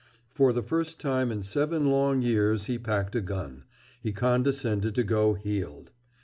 For the first time in seven long years he packed a gun, he condescended to go heeled.